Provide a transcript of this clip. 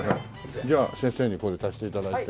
じゃあ先生にこれ足して頂いて。